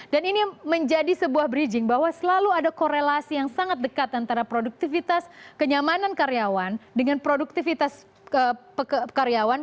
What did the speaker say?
dan ini menjadi sebuah bridging bahwa selalu ada korelasi yang sangat dekat antara produktivitas kenyamanan karyawan dengan produktivitas karyawan